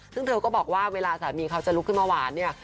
ซึ่งเธอก็บอกว่าเวลาสามีเขาจะลุกขึ้นมาหวานเนี่ย